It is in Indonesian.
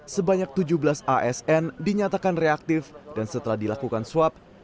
sebanyak tujuh belas asn dinyatakan reaktif dan setelah dilakukan swab